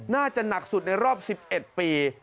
น่าจะหนักสุดในรอบ๑๑ปี